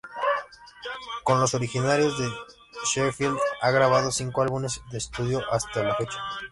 Con los originarios de Sheffield ha grabado cinco álbumes de estudio hasta la fecha.